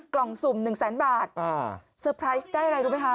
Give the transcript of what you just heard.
สุ่ม๑แสนบาทเซอร์ไพรส์ได้อะไรรู้ไหมคะ